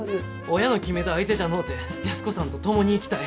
親の決めた相手じゃのうて安子さんと共に生きたい。